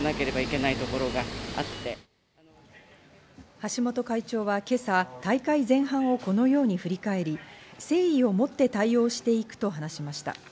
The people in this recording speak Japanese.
橋本会長は今朝、大会前半をこのように振り返り、誠意をもって対応していくと話しました。